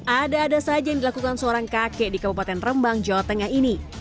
ada ada saja yang dilakukan seorang kakek di kabupaten rembang jawa tengah ini